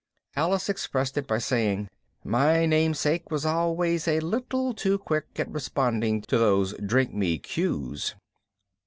Alice expressed it by saying, "My namesake was always a little too quick at responding to those DRINK ME cues."